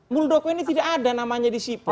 muldoko ini tidak ada namanya di sipol